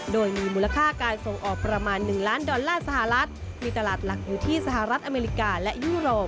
โดยมีมูลค่าการส่งออกประมาณ๑ล้านดอลลาร์สหรัฐมีตลาดหลักอยู่ที่สหรัฐอเมริกาและยุโรป